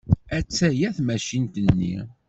Attaya tmacint-nni.